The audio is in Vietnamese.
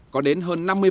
có đến hơn năm mươi phút